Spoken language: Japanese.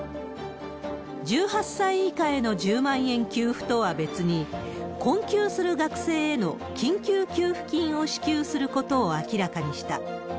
１８歳以下への１０万円給付とは別に、困窮する学生への緊急給付金を支給することを明らかにした。